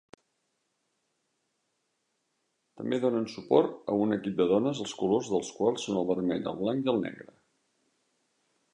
També donen suport a un equip de dones, els colors de les quals són el vermell, el blanc i el negre.